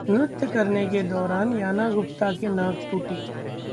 नृत्य करने के दौरान याना गुप्ता की नाक टूटी